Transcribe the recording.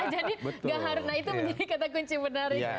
jadi gaharna itu menjadi kata kunci menarik